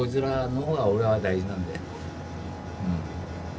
うん。